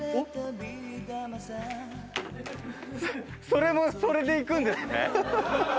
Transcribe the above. それもそれでいくんですね。